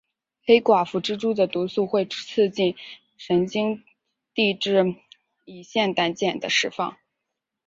黑寡妇蜘蛛的毒液会促进神经递质乙酰胆碱的释放。